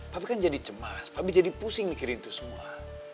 tapi kan jadi cemas tapi jadi pusing mikirin itu semua